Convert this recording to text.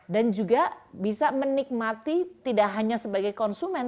dan juga bisa menikmati tidak hanya sebagai konsumen